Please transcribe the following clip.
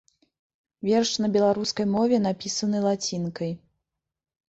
Верш на беларускай мове напісаны лацінкай.